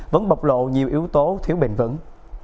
vẫn bộc lộ nhiều yếu tố thiếu bền vững